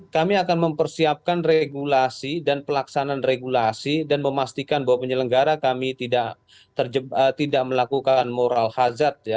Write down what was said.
kami akan mempersiapkan regulasi dan pelaksanaan regulasi dan memastikan bahwa penyelenggara kami tidak melakukan moral hazard